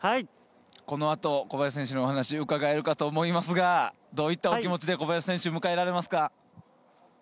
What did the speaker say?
この後、小林選手のお話伺えるかと思いますがどういった気持ちで小林選手を迎えられますか？